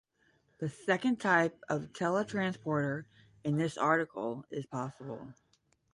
The second type of teletransporter in this article is possible.